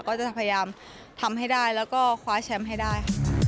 ก็จะพยายามทำให้ได้แล้วก็คว้าแชมป์ให้ได้